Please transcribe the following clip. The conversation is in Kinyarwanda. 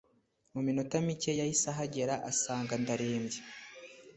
muminota micye yahise ahagera asanga ndarembye